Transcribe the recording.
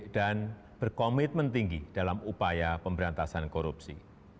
dan berkomitmen tinggi dalam upaya pemberantasan korupsi